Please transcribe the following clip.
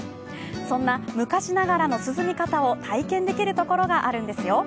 そんな昔ながらの涼み方を体験できるところがあるんですよ。